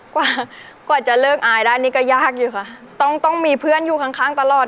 กว่าจะเลิกอายได้นี่ก็ยากอยู่ค่ะต้องมีเพื่อนอยู่ข้างตลอด